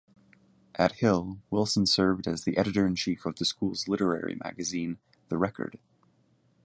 At Hill, Wilson served as the editor-in-chief of the school's literary magazine, "The Record".